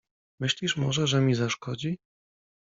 - Myślisz może, że mi zaszkodzi?